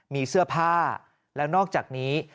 มีเสื้อผ้าแล้วนอกจากนี้